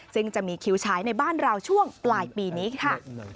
ซึ่งจะมีคิวฉายในบ้านเราช่วงปลายปีนี้ค่ะ